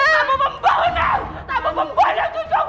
kamu membunuh kamu membunuh cucuku